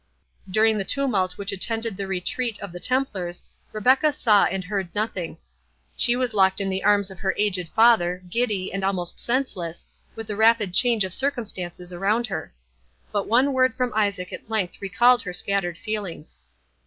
During the tumult which attended the retreat of the Templars, Rebecca saw and heard nothing—she was locked in the arms of her aged father, giddy, and almost senseless, with the rapid change of circumstances around her. But one word from Isaac at length recalled her scattered feelings.